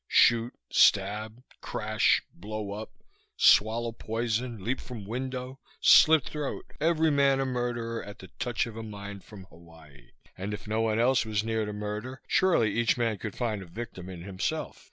Shoot, stab, crash, blow up; swallow poison, leap from window, slit throat. Every man a murderer, at the touch of a mind from Hawaii; and if no one else was near to murder, surely each man could find a victim in himself.